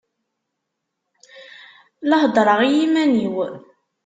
La heddṛeɣ i yiman-iw.